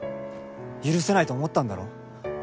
許せないと思ったんだろう？